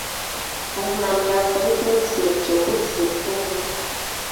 Omulangira asabye Pulezidenti okuzza effumu.